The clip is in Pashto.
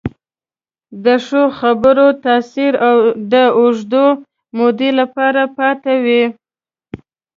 د ښو خبرو تاثیر د اوږدې مودې لپاره پاتې وي.